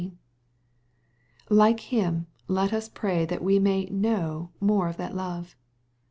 Like him, let us pray that we may " know*' more of that love.